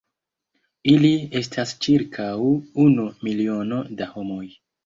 Ili estas ĉirkaŭ unu miliono da homoj.